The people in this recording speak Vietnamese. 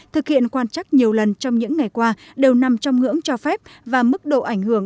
thực hiện quan trắc nhiều lần trong những ngày qua đều nằm trong ngưỡng cho phép và mức độ ảnh hưởng